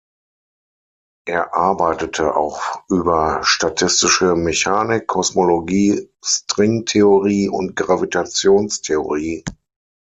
Er arbeitete auch über statistische Mechanik, Kosmologie, Stringtheorie und Gravitationstheorie.